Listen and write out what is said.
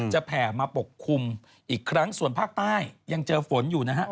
แผ่มาปกคลุมอีกครั้งส่วนภาคใต้ยังเจอฝนอยู่นะฮะ